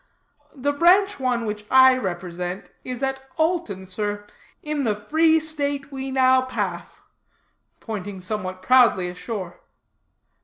"The branch one which I represent, is at Alton, sir, in the free state we now pass," (pointing somewhat proudly ashore).